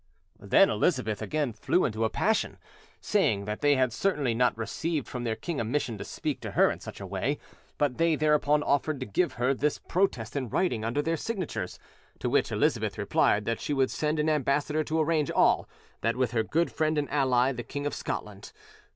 Then Elizabeth again flew into a passion, saying that they had certainly not received from their king a mission to speak to her in such a way; but they thereupon offered to give her this protest in writing under their signatures; to which Elizabeth replied that she would send an ambassador to arrange all that with her good friend and ally, the King of Scotland.